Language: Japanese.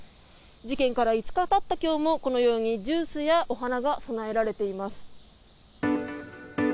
事件から５日経った今日もジュースやお花が供えられています。